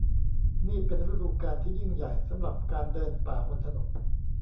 นี่เป็นฤดูกาลที่ยิ่งใหญ่สำหรับการเดินป่าบนถนน